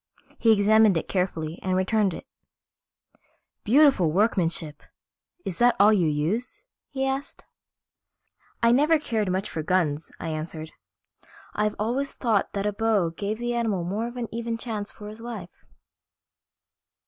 He examined it carefully and returned it. "Beautiful workmanship. Is that all you use?" he asked. "I never cared much for guns," I answered. "I've always thought a bow gave the animal more of an even chance for his life."